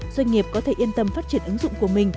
doanh nghiệp có thể yên tâm phát triển ứng dụng của mình